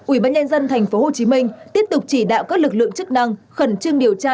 ủy ban nhân dân tp hcm tiếp tục chỉ đạo các lực lượng chức năng khẩn trương điều tra